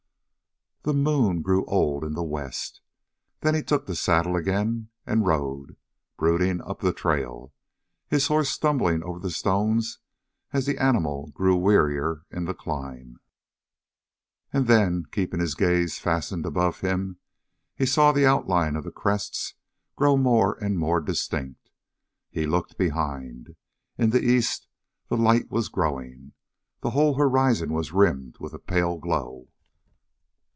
The moon grew old in the west. Then he took the saddle again and rode, brooding, up the trail, his horse stumbling over the stones as the animal grew wearier in the climb. And then, keeping his gaze fastened above him, he saw the outline of the crests grow more and more distinct. He looked behind. In the east the light was growing. The whole horizon was rimmed with a pale glow.